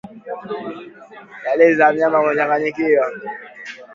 Dalili za mnyama kuchanganyikiwa